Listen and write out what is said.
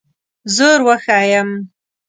زور وښیم.